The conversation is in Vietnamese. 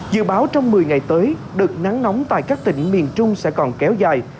dự báo trong một mươi ngày tới đợt nắng nóng tại các tỉnh miền trung sẽ còn kéo dài